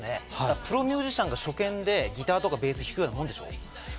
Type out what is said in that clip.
プロミュージシャンが初見でギターとかベースを弾くようなもんでしょ？